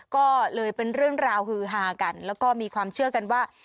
ก็เลยเป็นเรื่องราวฮือฮากันแล้วก็มีความเชื่อกันว่า